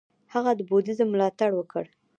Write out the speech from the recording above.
هغه د بودیزم ملاتړ وکړ.